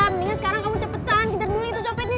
mendingan sekarang kamu cepetan kejar dulu itu copetnya